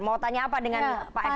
mau tanya apa dengan pak eko